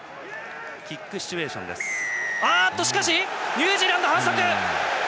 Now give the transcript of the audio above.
ニュージーランド、反則！